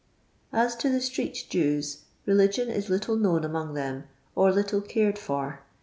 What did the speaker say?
As to the street Jews, religion is little known among them, or little c:ired for.